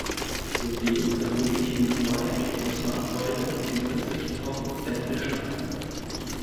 Zudem ermöglichen Zweirichtungsfahrzeuge den Verzicht auf Wendeschleifen.